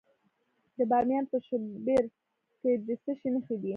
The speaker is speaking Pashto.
د بامیان په شیبر کې د څه شي نښې دي؟